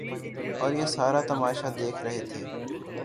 اوریہ سارا تماشہ دیکھ رہے تھے۔